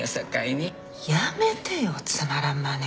やめてよつまらん真似。